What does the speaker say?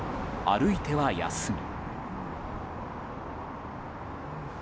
歩いては休み。